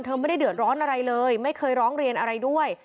ไม่ได้เดือดร้อนอะไรเลยไม่เคยร้องเรียนอะไรด้วย